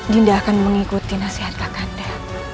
dinda akan mengikuti nasihat kakanda